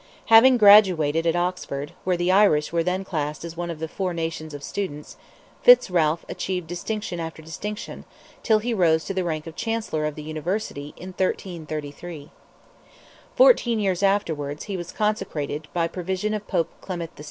Having graduated at Oxford, where the Irish were then classed as one of "the four nations" of students, Fitz Ralph achieved distinction after distinction, till he rose to the rank of Chancellor of the University, in 1333. Fourteen years afterwards he was consecrated, by provision of Pope Clement VI.